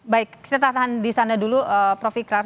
baik kita tahan di sana dulu prof ikraf